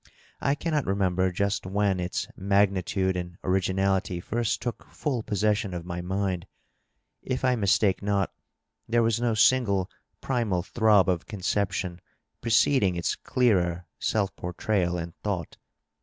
I cannot remember just when its magnitude and originality first took full possession of my mind : if I misteke not, there was no single primal throb of conception preceding its clearer self portrayal in thought.